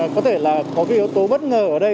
có thể là có cái yếu tố bất ngờ ở đây